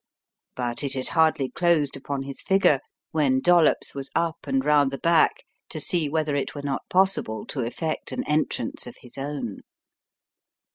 But it had hardly closed upon his figure when Dollops was up and round the back to see whether it were not possible to effect an entrance of his own.